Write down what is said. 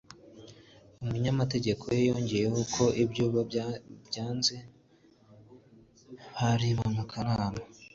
umunyamategeko we yongeyeho ko ibyo byabazwa abari mu kanama gashinzwe gutanga iryo soko kuko bazwi (Abasomera urukiko)